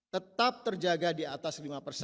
tetap terjaga di atas lima persen